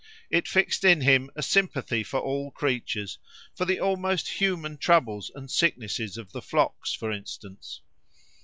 It fixed in him a sympathy for all creatures, for the almost human troubles and sicknesses of the flocks, for instance.